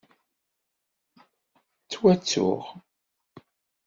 Ttwattuɣ.